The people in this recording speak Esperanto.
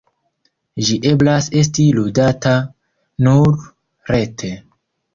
Ĝi eblas esti ludata nur rete.